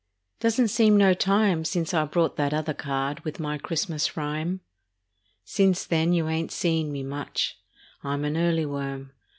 Doesn't seem no time Since I brought that other card With my Christmas rhyme. Since then you ain't seen me much ; I'm an early worm.